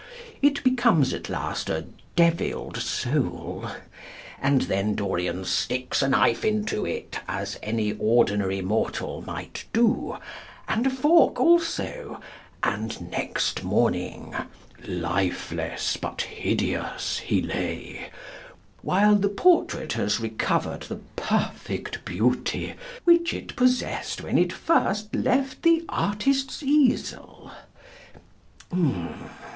It becomes at last a devilled soul. And then Dorian sticks a knife into it, as any ordinary mortal might do, and a fork also, and next morning "Lifeless but 'hideous,' he lay," while the portrait has recovered the perfect beauty which it possessed when it first left the artist's easel.